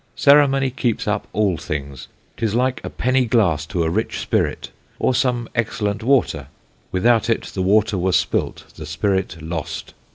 Ceremony keeps up all things: 'Tis like a Penny Glass to a rich Spirit, or some excellent Water; without it the Water were spilt, the Spirit lost.